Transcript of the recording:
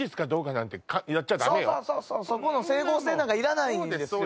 そうそうそうそこの整合性なんかいらないんですよ